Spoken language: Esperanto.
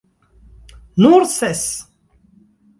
Nur ses!